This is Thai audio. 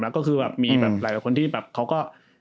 แล้วก็คือแบบมีแบบหลายคนที่แบบเขาก็